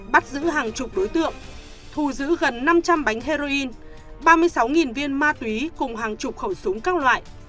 bắt giữ hàng chục đối tượng thu giữ gần năm trăm linh bánh heroin ba mươi sáu viên ma túy cùng hàng chục khẩu súng các loại